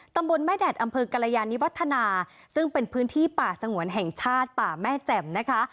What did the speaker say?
ตำบลแม่แดดอำเภอกรยานิวัฒนาซึ่งเป็นพื้นที่ป่าสงวนแห่งชาติป่าแม่แจ่มนะคะ